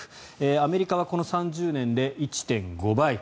アメリカはこの３０年で１．５倍。